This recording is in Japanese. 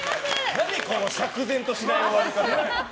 何この釈然としない終わり方！